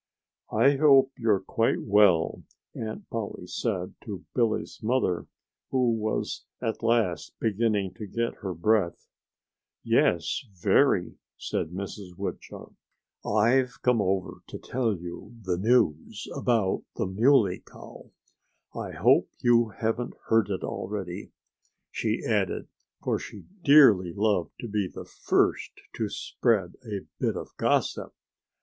"I hope you're quite well," Aunt Polly said to Billy's mother, who was at last beginning to get her breath. "Yes very!" said Mrs. Woodchuck. "I've come over to tell you the news about the Muley Cow. I hope you haven't heard it already," she added, for she dearly loved to be the first to spread a bit of gossip.